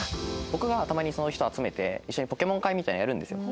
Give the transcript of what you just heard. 僕がたまに人を集めて一緒に「ポケモン会」みたいなのをやるんですよ。